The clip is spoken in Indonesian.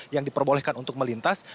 yang diperbolehkan untuk melintas